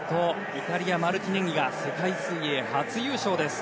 イタリア、マルティネンギが世界水泳初優勝です。